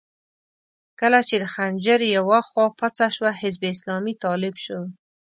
کله چې د خنجر يوه خوا پڅه شوه، حزب اسلامي طالب شو.